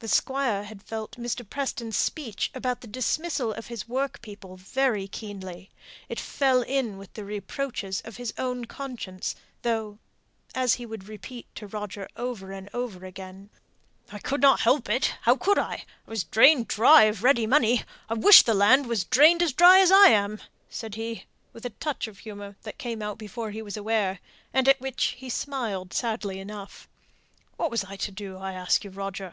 The Squire had felt Mr. Preston's speech about the dismissal of his work people very keenly; it fell in with the reproaches of his own conscience, though, as he would repeat to Roger over and over again, "I couldn't help it how could I? I was drained dry of ready money I wish the land was drained as dry as I am," said he, with a touch of humour that came out before he was aware, and at which he smiled sadly enough. "What was I to do, I ask you, Roger?